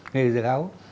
nghề giảng dạy áo